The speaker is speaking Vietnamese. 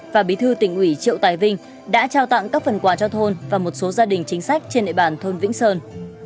và bí thư tỉnh ủy triệu tài vinh đã trao tặng các phần quà cho thôn và một số gia đình chính sách trên địa bàn thôn vĩnh sơn